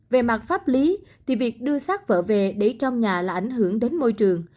về mặt pháp lý thì việc đưa sát vợ về để trong nhà là ảnh hưởng đến môi trường